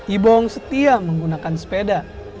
ibong setia menggunakan sepeda